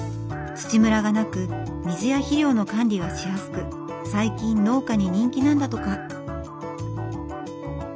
土ムラがなく水や肥料の管理がしやすく最近農家に人気なんだとか。